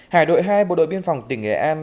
hải đội hai bộ đội biên phòng tỉnh nghệ an